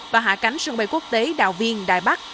và hạ cánh sân bay quốc tế đào viên đài bắc